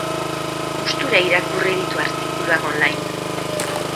Gustura irakurri ditu artikuluak online.